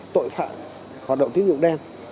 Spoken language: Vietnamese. tội phạm hoạt động tiến dụng đen